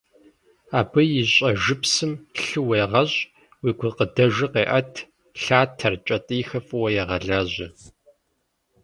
Абы и щӏэжыпсым лъы уегъэщӏ, уи гукъыдэжыр къеӏэт, лъатэр, кӏэтӏийхэр фӏыуэ егъэлажьэ.